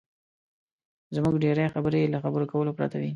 زموږ ډېرې خبرې له خبرو کولو پرته وي.